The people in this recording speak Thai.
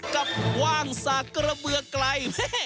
กว้างสากกระเบือไกล